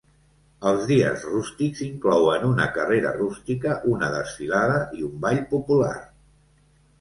Els Dies rústics inclouen una carrera rústica, una desfilada i un ball popular.